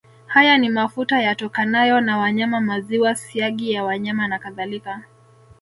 Haya ni mafuta yatokanayo na wanyama maziwa siagi ya wanyama nakadhalika